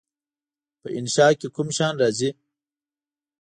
په انشأ کې کوم شیان راځي؟